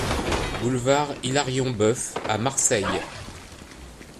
Boulevard Hilarion Boeuf à Marseille